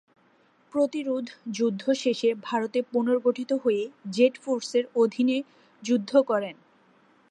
প্রতিরোধযুদ্ধ শেষে ভারতে পুনর্গঠিত হয়ে জেড ফোর্সের অধীনে যুদ্ধ করেন।